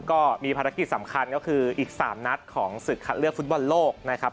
ก็มีภารกิจสำคัญก็คืออีก๓นัดของศึกคัดเลือกฟุตบอลโลกนะครับ